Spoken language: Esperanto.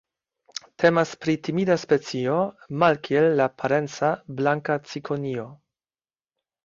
Temas pri timida specio, malkiel la parenca Blanka cikonio.